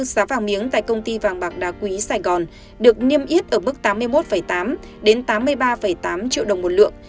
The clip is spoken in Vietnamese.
giá vàng miếng tại công ty vàng bạc đá quý sài gòn được niêm yết ở mức tám mươi một tám đến tám mươi ba tám triệu đồng một lượng